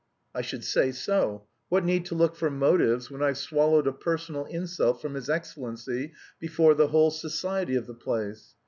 I should say so! What need to look for motives when I've swallowed a personal insult from his excellency before the whole society of the place.